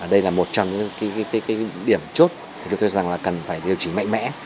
đây là một trong những điểm chốt cho tôi rằng là cần phải điều trí mạnh mẽ